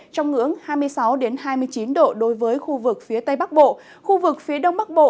trong ngưỡng hai mươi sáu hai mươi chín độ đối với khu vực phía tây bắc bộ khu vực phía đông bắc bộ